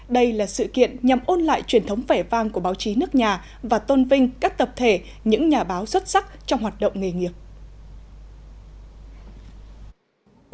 đây là sự kiện nhằm ôn lại truyền thống vẻ vang của báo chí nước nhà và tôn vinh các tập thể những nhà báo xuất sắc trong hoạt động nghề nghiệp